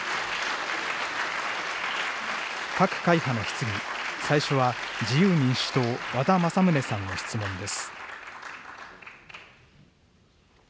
各会派の質疑、最初は自由民主党、和田政宗さんの質問です。